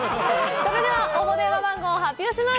それでは、応募電話番号を発表します。